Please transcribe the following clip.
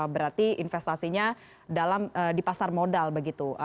berarti investasinya di pasar modal begitu